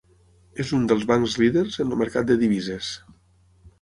És un dels bancs líders en el mercat de divises.